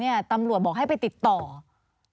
เพราะว่าตอนแรกมีการพูดถึงนิติกรคือฝ่ายกฎหมาย